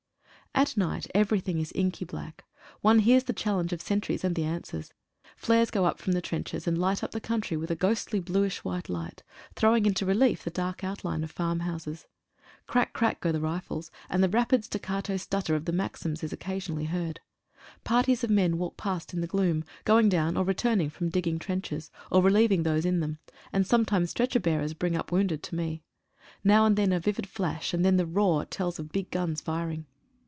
At night everything is inky black. One hears the challenge of sentries and the answers. Flares go up from the trenches and light up the country with a ghostly bluish white light, throwing into relief the dark outline of farm houses. Crack, crack go the rifles, and the rapid staccato stutter of the maxims occasionally is heard. Parties of men walk past in the gloom, going down or returning from digging trenches, or relieving those in them, and sometimes stretcher bearers bring up wounded to me. Now and then a vivid flash, and then the roar tells of big guns firing.